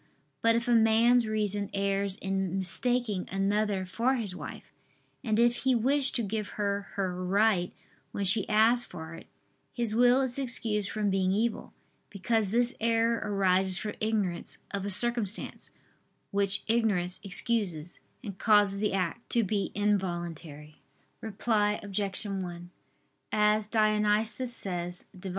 But if a man's reason, errs in mistaking another for his wife, and if he wish to give her her right when she asks for it, his will is excused from being evil: because this error arises from ignorance of a circumstance, which ignorance excuses, and causes the act to be involuntary. Reply Obj. 1: As Dionysius says (Div.